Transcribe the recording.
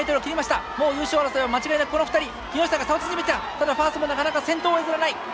ただファースもなかなか先頭を譲らない！